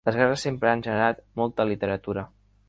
Les guerres sempre han generat molta literatura.